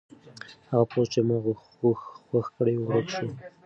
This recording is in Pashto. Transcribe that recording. هغه پوسټ چې ما خوښ کړی و ورک شو.